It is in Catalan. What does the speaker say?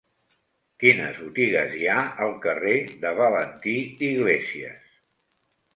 Quines botigues hi ha al carrer de Valentí Iglésias?